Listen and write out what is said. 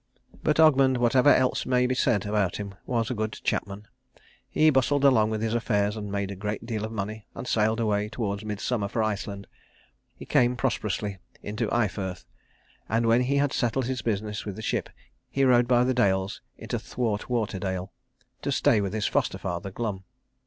But Ogmund, whatever else may be said about him, was a good chapman. He bustled along with his affairs, made a great deal of money, and sailed away towards midsummer, for Iceland. He came prosperously into Eyefirth, and when he had settled his business with the ship he rode by the dales into Thwartwaterdale, to stay with his foster father Glum.